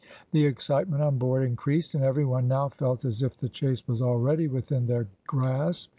The excitement on board increased, and every one now felt as if the chase was already within their grasp.